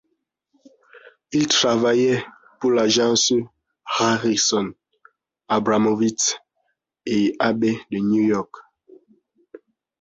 Il travaillait pour l'agence Harrison, Abramovitz, & Abbe de New York.